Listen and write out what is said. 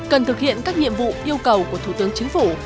cần thực hiện các nhiệm vụ yêu cầu của thủ tướng chính phủ